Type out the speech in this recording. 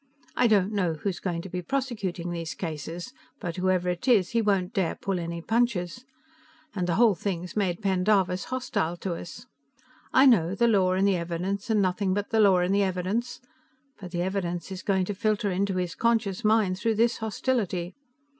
I don't know who's going to be prosecuting these cases; but whoever it is, he won't dare pull any punches. And the whole thing's made Pendarvis hostile to us. I know, the law and the evidence and nothing but the law and the evidence, but the evidence is going to filter into his conscious mind through this hostility.